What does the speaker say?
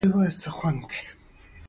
د نړۍ د پرمختګ سره ځان سم کړئ.